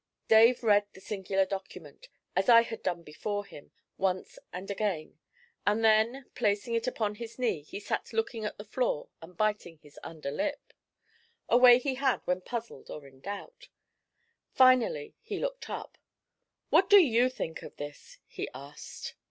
Dave read the singular document, as I had done before him, once and again; and then, placing it upon his knee, he sat looking at the floor and biting his under lip, a way he had when puzzled or in doubt. Finally he looked up. 'What do you think of this?' he asked.